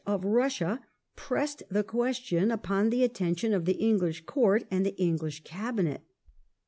of Russia pressed the question upon the attention of the English Court and the English Cabinet.